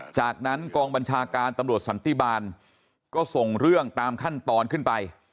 จากนั้นกองบัญชาการตำรวจสันติบาลก็ส่งเรื่องตามขั้นตอนขึ้นไป